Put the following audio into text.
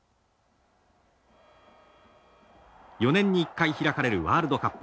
４年に１回開かれるワールドカップ。